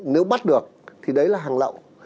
nếu bắt được thì đấy là hàng lậu